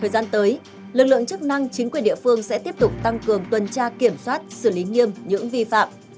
thời gian tới lực lượng chức năng chính quyền địa phương sẽ tiếp tục tăng cường tuần tra kiểm soát xử lý nghiêm những vi phạm